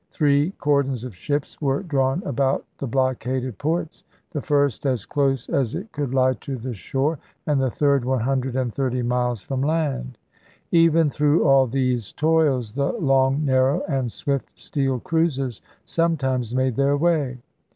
Three cordons of ships were drawn about the blockaded ports ; the first as close as it could lie to the shore, and the third one hun dred and thirty miles from land. Even through all these toils the long, narrow, and swift steel cruisers sometimes made their way.